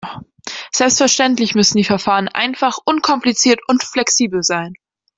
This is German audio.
Selbstverständlich müssen die Verfahren einfach, unkompliziert und flexibel sein.